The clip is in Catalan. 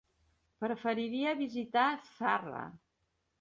Preferiria visitar Zarra.